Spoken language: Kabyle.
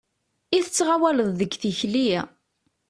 I tettɣawaleḍ deg tikli!